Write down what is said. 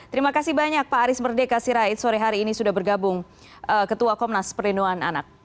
terima kasih banyak pak aris merdeka sirait sore hari ini sudah bergabung ketua komnas perlindungan anak